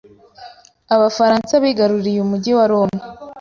Abafaransa bigaruriye umujyi wa Roma,